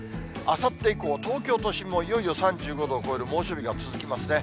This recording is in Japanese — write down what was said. あさって以降、東京都心もいよいよ３５度を超える猛暑日が続きますね。